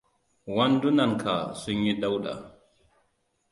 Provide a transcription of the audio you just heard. Wandunanka sun yi dauɗa.